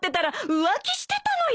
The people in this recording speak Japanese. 浮気してたのよ。